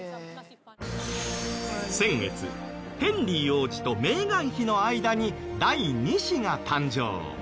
先月ヘンリー王子とメーガン妃の間に第二子が誕生。